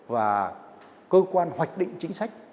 và cơ quan hoạch định chính sách